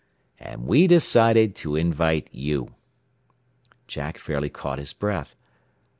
"And we decided to invite you." Jack fairly caught his breath.